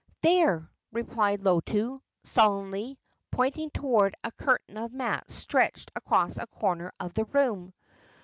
"There," replied Lotu, sullenly, pointing toward a curtain of mats stretched across a corner of the room.